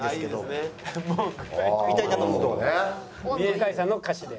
「向井さんの歌詞で」。